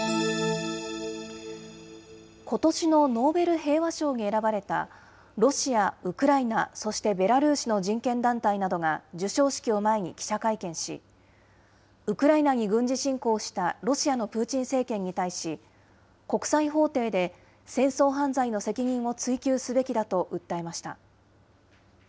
ことしのノーベル平和賞に選ばれた、ロシア、ウクライナ、そしてベラルーシの人権団体などが授賞式を前に記者会見し、ウクライナに軍事侵攻したロシアのプーチン政権に対し、国際法廷で戦争犯罪の責任を追及すべきだと訴えました。